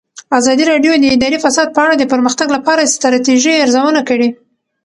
ازادي راډیو د اداري فساد په اړه د پرمختګ لپاره د ستراتیژۍ ارزونه کړې.